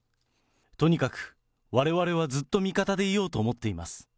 とにかくわれわれは、ずっと味方でいようと思っています。